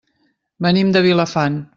Venim de Vilafant.